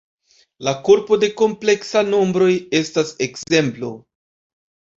La korpo de kompleksaj nombroj estas ekzemplo.